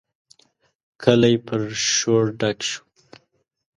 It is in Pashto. کلی پر شور ډک شو.